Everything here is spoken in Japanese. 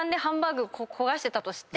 焦がしてたとして。